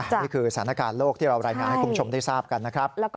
นี่คือสถานการณ์โลกที่เรารายงานให้คุณผู้ชมได้ทราบกันนะครับ